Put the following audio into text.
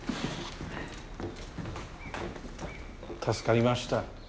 助かりました。